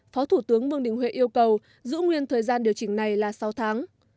phó thủ tướng vương đình huệ yêu cầu giữ nguyên thời gian điều chỉnh này là sáu tháng